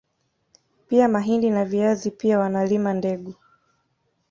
Pia mahindi na viazi pia wanalima dengu